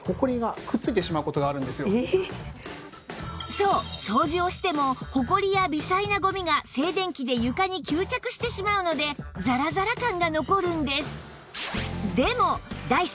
そう掃除をしてもホコリや微細なゴミが静電気で床に吸着してしまうのでザラザラ感が残るんです